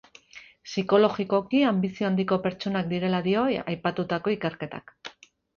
Psikologikoki anbizio handiko pertsonak direla dio aipatutako ikerketak.